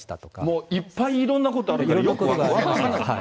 もういっぱいいろんなことあるからよく分からない。